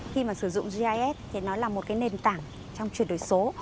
khi mà sử dụng gis thì nó là một cái nền tảng trong chuyển đổi số